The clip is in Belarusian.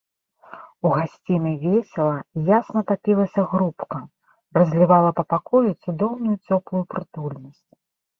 У гасцінай весела, ясна тапілася грубка, разлівала па пакоі цудоўную цёплую прытульнасць.